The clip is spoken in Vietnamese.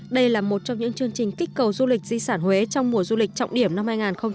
đây là một trong những chương trình kích cầu du lịch di sản huế trong mùa du lịch trọng điểm năm hai nghìn hai mươi bốn